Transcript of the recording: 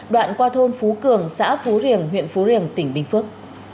đoạn qua thôn phú cường xã phú riềng huyện phú riềng tỉnh bình phước